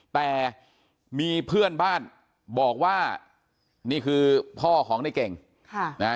แต่มีเพื่อนบ้านบอกว่านี่คือพ่อของในเก่งค่ะนะฮะ